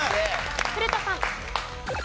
古田さん。